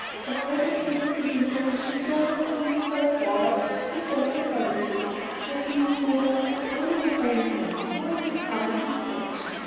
A head appeared at the window, and Darrow threw himself forward to defend their solitude; but the intruder was only a train hand going his round of inspection.